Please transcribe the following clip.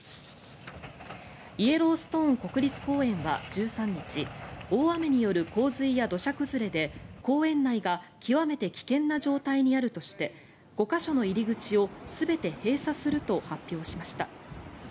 イエローストン国立公園は１３日大雨による洪水や土砂崩れで公園内が極めて危険な状態にあるとして５か所の入り口を全て閉鎖すると発表しました。